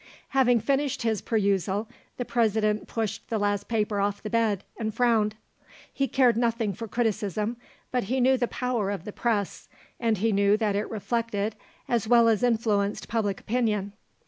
Having finished his perusal the President pushed the last paper off the bed and frowned. He cared nothing for criticism, but he knew the power of the Press and he knew that it reflected as well as influenced public opinion.